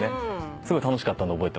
すごい楽しかったんで覚えてますね。